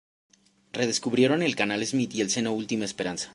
Redescubrieron el canal Smyth y el seno Última Esperanza.